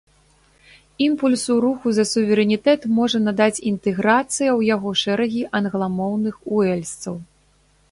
Імпульсу руху за суверэнітэт можа надаць інтэграцыя ў яго шэрагі англамоўных уэльсцаў.